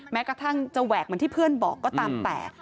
แม้กระทั่งจะแหวกเหมือนที่เพื่อนบอกก็ตามแต่